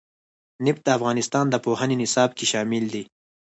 نفت د افغانستان د پوهنې نصاب کې شامل دي.